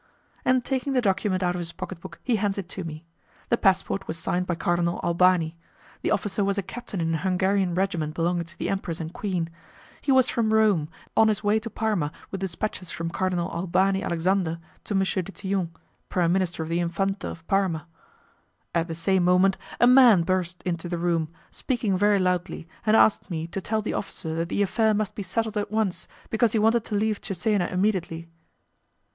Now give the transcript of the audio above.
And taking the document out of his pocket book, he hands it to me. The passport was signed by Cardinal Albani. The officer was a captain in a Hungarian regiment belonging to the empress and queen. He was from Rome, on his way to Parma with dispatches from Cardinal Albani Alexander to M. Dutillot, prime minister of the Infante of Parma. At the same moment, a man burst into the room, speaking very loudly, and asked me to tell the officer that the affair must be settled at once, because he wanted to leave Cesena immediately.